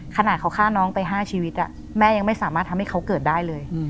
ขนาดเขาฆ่าน้องไป๕ชีวิตแม่ยังไม่สามารถทำให้เขาเกิดได้เลย